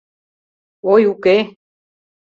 — Ой, уке!